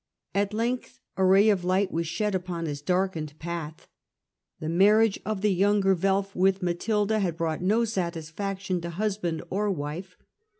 At length a ray of light was shed upon his darkened path. The marriage of the younger Welf with Matilda had brought no satisfaction to husband or wife.